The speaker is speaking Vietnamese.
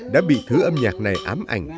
đã bị thứ âm nhạc này ám ảnh